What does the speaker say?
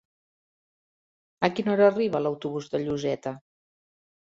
A quina hora arriba l'autobús de Lloseta?